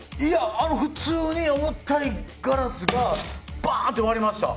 普通に重たいガラスがバーン！って割れました。